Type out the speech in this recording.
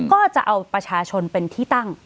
ก็จะเอาประชาชนเป็นที่ตั้ง